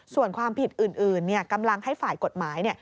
ส่วนความผิดอื่นกำลังให้ฝ่ายกฎหมายเนี่ย